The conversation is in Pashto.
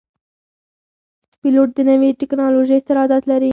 پیلوټ د نوي ټکنالوژۍ سره عادت لري.